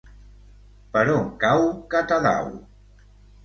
Per on cau Catadau?